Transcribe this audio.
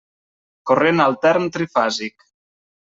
Corrent altern trifàsic.